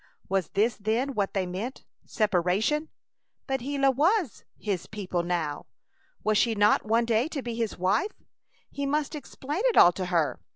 Was this then what they meant? Separation! But Gila was "his people" now. Was she not one day to be his wife? He must explain it all to her.